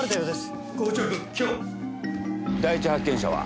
第一発見者は？